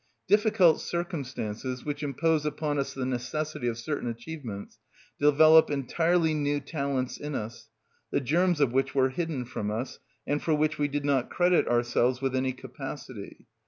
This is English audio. Difficult circumstances, which impose upon us the necessity of certain achievements, develop entirely new talents in us, the germs of which were hidden from us, and for which we did not credit ourselves with any capacity.